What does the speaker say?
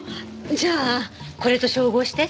じゃあこれと照合して。